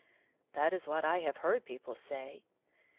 That is what I have heard people say.